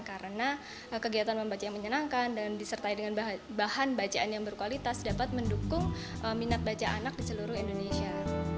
karena kegiatan membaca yang menyenangkan dan disertai dengan bahan bacaan yang berkualitas dapat mendukung minat baca anak di seluruh indonesia